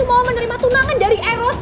sinta itu mau menerima tunangan dari eros